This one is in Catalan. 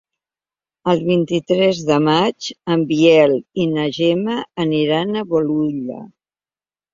El vint-i-tres de maig en Biel i na Gemma aniran a Bolulla.